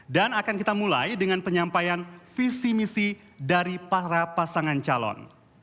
dan akan kita mulai dengan penyampaian visi misi dari para pasangan calon